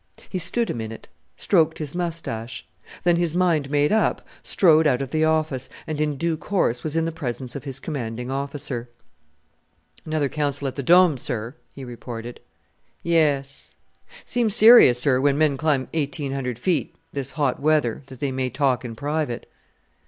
He stood a minute, stroked his moustache; then, his mind made up, strode out of the office, and in due course was in the presence of his Commanding Officer. "Another council at the Dome, sir," he reported. "Yes." "Seems serious, sir, when men climb 1,800 feet, this hot weather, that they may talk in private."